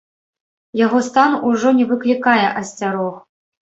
Яго стан ужо не выклікае асцярог.